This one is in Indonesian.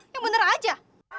yang bener aja